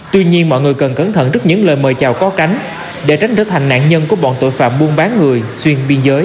tuy nhiên mọi người cần cẩn thận trước những lời mời chào có cánh để tránh trở thành nạn nhân của bọn tội phạm buôn bán người xuyên biên giới